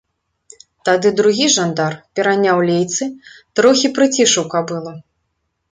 Тады другі жандар пераняў лейцы, трохі прыцішыў кабылу.